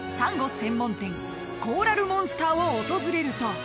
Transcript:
専門店コーラルモンスターを訪れると］